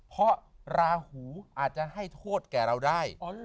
เพราะราหูอาจจะให้โทษแก่เราได้